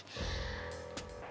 aku gak mau